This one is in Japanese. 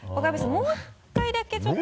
もう１回だけちょっと。